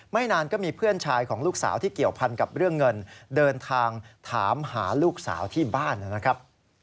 นานก็มีเพื่อนชายของลูกสาวที่เกี่ยวพันกับเรื่องเงินเดินทางถามหาลูกสาวที่บ้านนะครับ